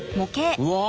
うわ！